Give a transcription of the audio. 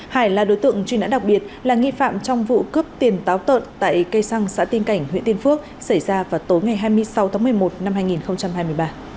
hải là đối tượng truy nã đặc biệt là nghi phạm trong vụ cướp tiền táo tợn tại cây xăng xã tiên cảnh huyện tiên phước xảy ra vào tối ngày hai mươi sáu tháng một mươi một năm hai nghìn hai mươi ba